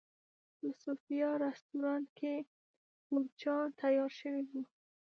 په صوفیا رسټورانټ کې غورچاڼ تیار شوی و.